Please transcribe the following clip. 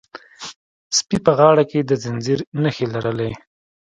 سپي په غاړه کې د زنځیر نښې لرلې.